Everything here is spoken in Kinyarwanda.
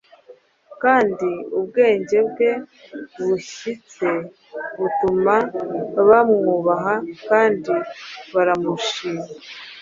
kandi ubwenge bwe bushyitse butuma bamwubaha kandi baramushima.